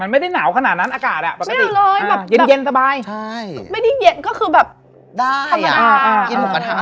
มันไม่ได้หนาวขนาดนั้นอากาศอ่ะประตูดิ